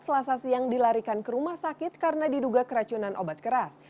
selasa siang dilarikan ke rumah sakit karena diduga keracunan obat keras